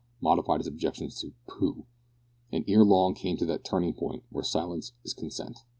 modified his objections to "pooh!" and ere long came to that turning point where silence is consent.